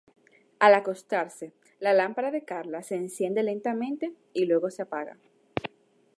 Al acostarse, la lámpara de Carla se enciende lentamente y luego se apaga.